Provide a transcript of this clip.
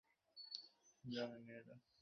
আপনি সবসময় কিছু না কিছু লিখতেই থাকবে।